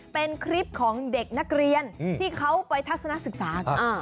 เป็นคลิปของเด็กนักเรียนที่เขาไปทัศนศึกษากัน